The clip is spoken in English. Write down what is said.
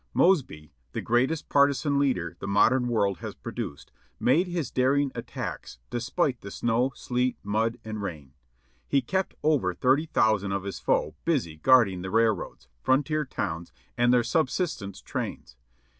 Mosby, the greatest partisan leader the modern world has produced, made his daring attacks despite the snow, sleet, mud and rain. He kept over thirty thousand of his foe busy guarding the railroads, frontier towns and their subsistence trains.